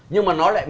nhưng mà nó lại